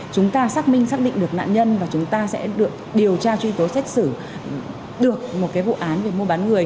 chúng ta xác minh xác định được nạn nhân và chúng ta sẽ được điều tra truy tố xét xử được một vụ án về mua bán người